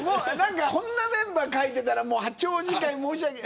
こんなメンバーを描いてたら八王子会じゃ申し訳ない。